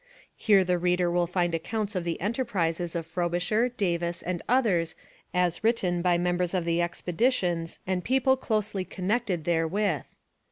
Here the reader will find accounts of the enterprises of Frobisher, Davis, and others as written by members of the expeditions and persons closely connected therewith.